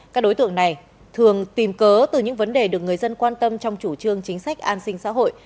các đối tượng này thường tìm cớ từ những vấn đề được người dân quan tâm trong chủ trương chính sách an sinh xã hội